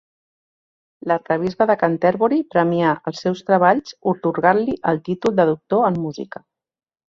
L'arquebisbe de Canterbury premià els seus treballs atorgant-li el títol de doctor en música.